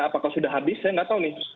apakah sudah habis saya nggak tahu nih